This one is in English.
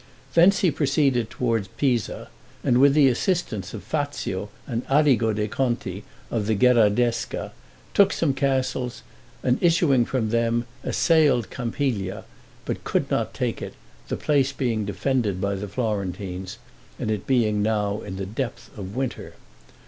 Thence he proceeded toward Pisa, and with the assistance of Fazio and Arrigo de' Conti, of the Gherardesca, took some castles, and issuing from them, assailed Campiglia, but could not take it, the place being defended by the Florentines, and it being now in the depth of winter.